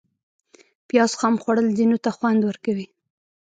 پیاز خام خوړل ځینو ته خوند ورکوي